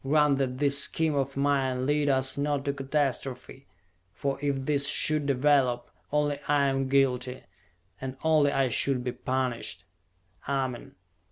Grant that this scheme of mine lead us not to catastrophe for if this should develop, only I am guilty, and only I should be punished!" "Amen!"